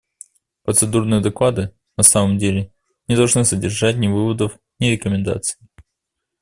Процедурные доклады, на самом деле, не должны содержать ни выводов, ни рекомендаций.